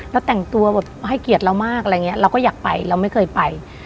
เราแต่งตัวแบบให้เกียรติเรามากอะไรอย่างนี้เราก็อยากไปเราไม่เคยไป